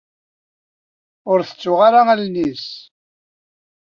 Ur tettuɣ ara allen-nni-ines.